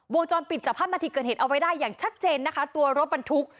วงจรปิดจับภาพนาทีเกิดเหตุเอาไว้ได้อย่างชัดเจนนะคะตัวรถบรรทุก